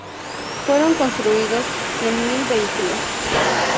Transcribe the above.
Fueron construidos cien mil vehículos.